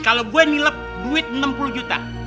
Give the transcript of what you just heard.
kalau gua nilai duit enam puluh juta